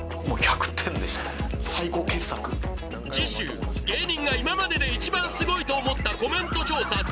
もう１００点でしたね最高傑作次週芸人が今までで一番スゴいと思ったコメント調査